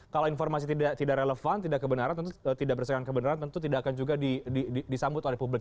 kalau informasi tidak relevan tidak kebenaran tentu tidak berdasarkan kebenaran tentu tidak akan juga disambut oleh publik